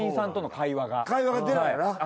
会話が出ないよな。